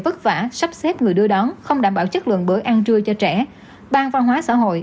vất vả sắp xếp người đưa đón không đảm bảo chất lượng bữa ăn trưa cho trẻ ban văn hóa xã hội